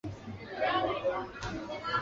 跟随李文忠一道入福建。